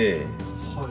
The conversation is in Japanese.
はい。